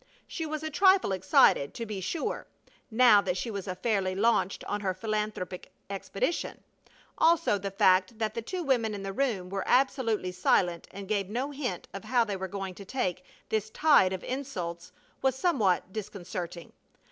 She was a trifle excited, to be sure, now that she was fairly launched on her philanthropic expedition; also the fact that the two women in the room were absolutely silent and gave no hint of how they were going to take this tide of insults was somewhat disconcerting.